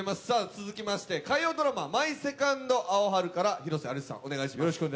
続きまして火曜ドラマ「マイ・セカンド・アオハル」から広瀬アリスさん、お願いします。